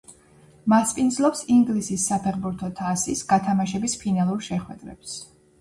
მასპინძლობს ინგლისის საფეხბურთო თასის გათამაშების ფინალურ შეხვედრებს.